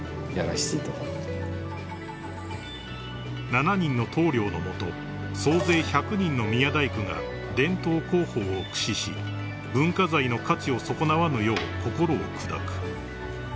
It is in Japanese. ［７人の棟りょうの下総勢１００人の宮大工が伝統工法を駆使し文化財の価値を損なわぬよう心を砕く］